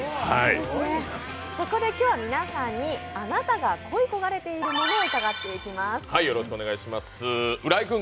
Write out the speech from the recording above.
そこで今日は皆さんにあなたが恋焦がれているものを伺っていきます。